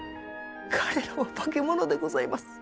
彼らは化け物でございます！